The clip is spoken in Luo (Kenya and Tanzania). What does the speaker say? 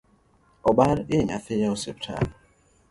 Obar i nyathi e osiptal